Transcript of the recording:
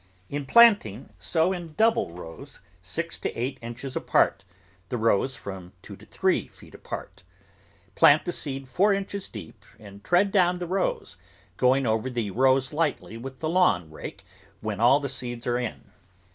In planting, sow in double rows, six to eight inches apart, the rows from two to three feet apart. Plant the seed four inches deep and tread down the rows, going over the rows lightly with the lawn rake when all the seeds are in.